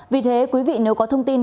vì thế quý vị nếu có thông tin